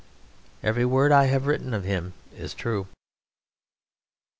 Every word I have written of him is true.